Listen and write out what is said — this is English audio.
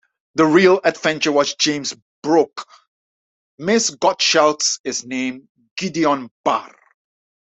The real adventurer was James Brooke; Ms. Godshalk's is named Gideon Barr.